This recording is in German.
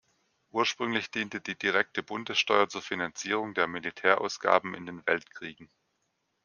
Ursprünglich diente die direkte Bundessteuer zur Finanzierung der Militärausgaben in den Weltkriegen.